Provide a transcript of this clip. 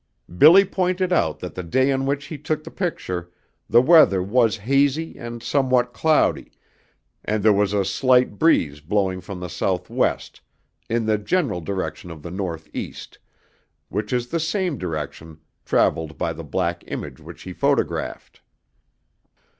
BILLY pointed out that the day on which he took the picture, the weather was hazy and somewhat cloudy and there was a slight breeze blowing from the southwest in the general direction of the northeast, which is the same direction traveled by the black image which he photographed.